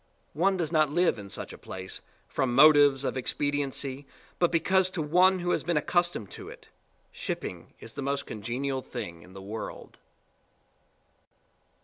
One does not live in such a place from motives of expediency but because to one who has been accustomed to it, shipping is the most congenial thing in the world.